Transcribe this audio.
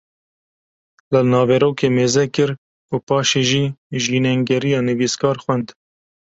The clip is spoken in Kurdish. li naverokê mêzekir û paşê jî jînengeriya nivîskar xwend